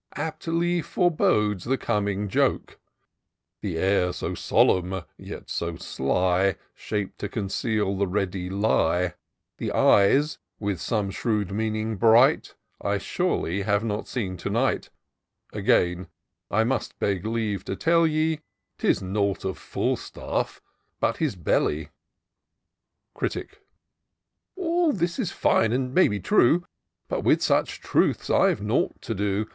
Aptly forebodes the coming joke ; The air so solemn, yet so sly, Shap'd to conceal the ready lie; The eyes, with some shrewd meaning bright, I surely have not seen to night. R R 906 TOUR OF DOCTOR SYNTAX Again^ I must beg leave to tell ye, Tb nought of Fob/o^bat bis belly.'* Critic. " All this is fine — and may be true ; But with sudi truths Fve nought to do.